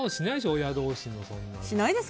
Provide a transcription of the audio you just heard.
親同士で。